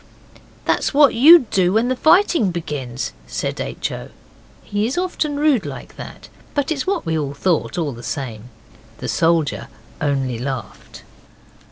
'That's what you'd do when the fighting begins,' said H. O. He is often rude like that but it was what we all thought, all the same. The soldier only laughed.